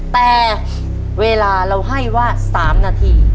แต่เวลาเราให้ว่า๓นาที